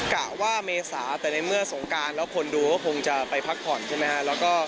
กะว่าเมษาแต่ในเมื่อสงการแล้วคนดูก็คงจะไปพักผ่อนใช่ไหมฮะ